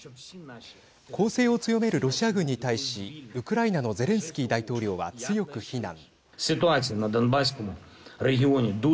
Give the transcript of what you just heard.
攻勢を強めるロシア軍に対しウクライナのゼレンスキー大統領は強く非難。